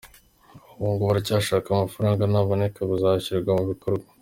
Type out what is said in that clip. Ubu ngo baracyashaka amafaranga, naboneka bizashyirwa mu bikorwa.